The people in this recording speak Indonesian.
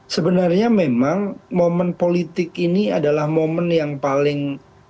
sebenarnya memang momen politik ini adalah momen yang paling